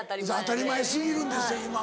当たり前過ぎるんですよ今もう。